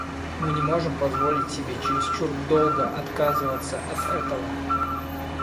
Мы не можем позволить себе чересчур долго отказываться от этого.